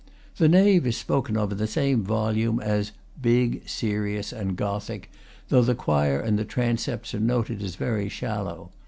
The nave is spoken of in the same volume as "big, serious, and Gothic," though the choir and transepts are noted as very shallow.